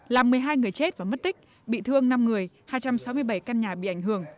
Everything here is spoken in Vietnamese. làm một mươi hai người chết và mất tích bị thương năm người hai trăm sáu mươi bảy căn nhà bị ảnh hưởng